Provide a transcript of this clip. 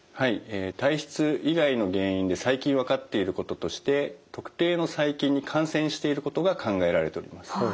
体質以外の原因で最近分かっていることとして特定の細菌に感染していることが考えられております。